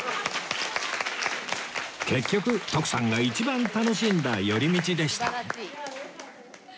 結局徳さんが一番楽しんだ寄り道でした